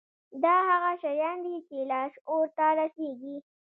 دا هغه شيان دي چې لاشعور ته رسېږي.